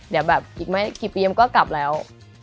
เดี๋ยวแบบอีกไม่กี่ปีมันก็กลับแล้ว